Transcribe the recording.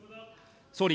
総理、